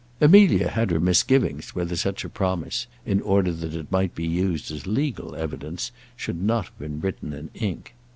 Amelia had her misgivings whether such a promise, in order that it might be used as legal evidence, should not have been written in ink.